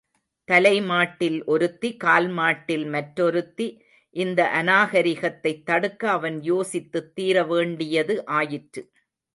தலைமாட்டில் ஒருத்தி, கால்மாட்டில் மற்றொருத்தி, இந்த அநாகரிகத்தைத் தடுக்க அவன் யோசித்துத் தீர வேண்டியது ஆயிற்று.